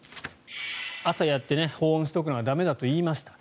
朝やって、保温しておくのは駄目だと言いました。